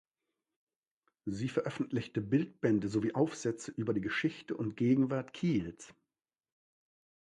Sie veröffentlichte Bildbände sowie Aufsätze über die Geschichte und Gegenwart Kiels.